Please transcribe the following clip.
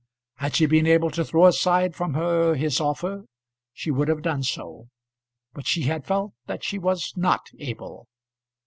Had she been able to throw aside from her his offer, she would have done so; but she had felt that she was not able.